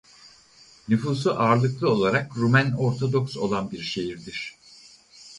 Nüfusu ağırlıklı olarak Rumen Ortodoks olan bir şehirdir.